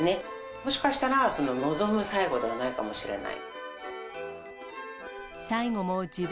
もしかしたら望む最期ではないかもしれない。